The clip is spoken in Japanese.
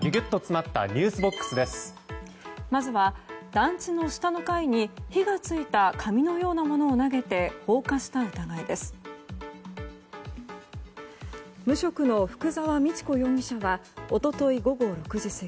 まずは団地の下の階に火が付いた紙のようなものを投げて放火した疑いです。